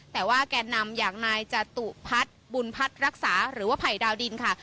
แต่ว่าแก่นำอย่างนายจตุพัฒน์บุญพัฒน์รักษาหรือว่าไผ่ดาวดินค่ะ